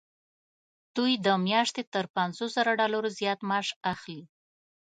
دوی د میاشتې تر پنځوس زرو ډالرو زیات معاش اخلي.